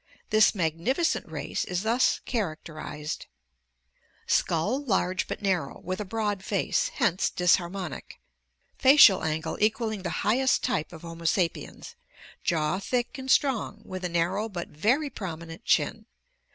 This magnificent race is thus characterized: Skull large but narrow, with a broad face, hence disharmonic. Facial angle equalling the highest type of Homo sapiens. Jaw thick and strong, with a narrow but very prominent chin.